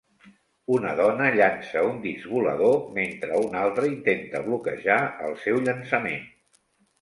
una dona llança un disc volador mentre una altra intenta bloquejar el seu llançament.